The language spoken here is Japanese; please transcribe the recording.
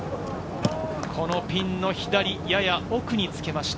このピンの左、やや奥につけました。